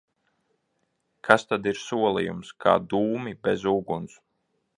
Kas tad ir solījums? Kā dūmi bez uguns!